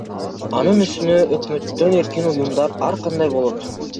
Анын үстүнө өкмөттөн эркин уюмдар ар кандай болот.